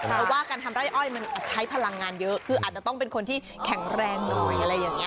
เพราะว่าการทำไร่อ้อยมันอาจใช้พลังงานเยอะคืออาจจะต้องเป็นคนที่แข็งแรงหน่อยอะไรอย่างนี้